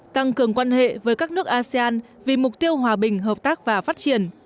tăng cường quan hệ với các nước asean vì mục tiêu hòa bình hợp tác và phát triển